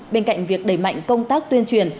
bên cạnh việc đẩy mạnh công tác tuyên truyền